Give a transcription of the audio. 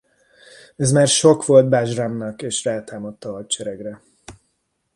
Ez már sok volt Bajramnak és rátámadt a hadseregre.